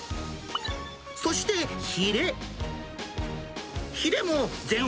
そして、ヒレ。